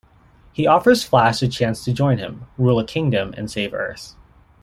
He offers Flash a chance to join him, rule a kingdom, and save Earth.